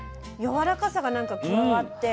やわらかさがなんか加わって。